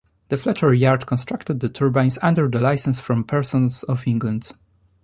The Fletcher Yard constructed the turbines under license from Parsons of England.